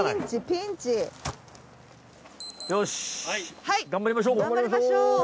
よし頑張りましょう。